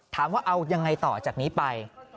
ถามว่าเอายังไงต่อจากนี้ไป